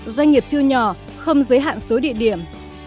doanh nghiệp siêu nhỏ không giới hạn số địa điểm